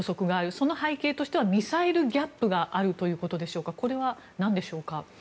その背景としてはミサイルギャップがあるということですがこれは何でしょうか。